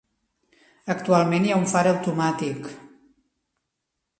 Actualment hi ha un far automàtic.